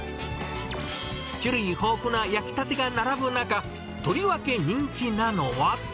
種類豊富な焼きたてが並ぶ中、とりわけ人気なのは。